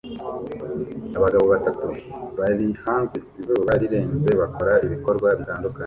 Abagabo batatu bari hanze izuba rirenze bakora ibikorwa bitandukanye